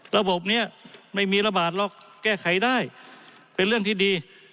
ระบบนี้ไม่มีระบาดหรอกแก้ไขได้เป็นเรื่องที่ดี